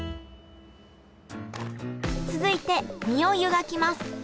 続いて身を湯がきます。